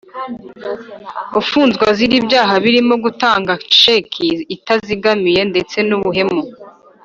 Afunzwe azira ibyaha birimo gutanga sheki itazigamiye ndetse n’ubuhemu.